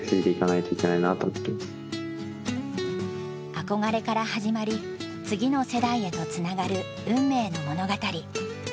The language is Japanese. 憧れから始まり次の世代へとつながる運命の物語。